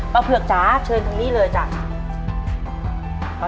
ป่าเผือกจ๊ะเชิญทางนี้เลยจ๊ะ